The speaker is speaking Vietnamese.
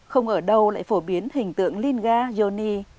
không ở đâu lại phổ biến hình tượng linh ga yoni